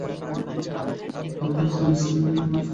তারপর Sally Simon ও শেষে ফিলিস লির সাথে বিবাহ করেন।